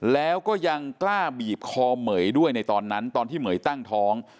แล้วก็ยังกล้าบีบคอเหม๋ยด้วยในตอนนั้นตอนที่เหม๋ยตั้งท้อง